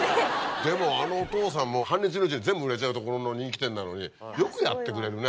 でもあのお父さんも半日のうちに全部売れちゃうところの人気店なのによくやってくれるね。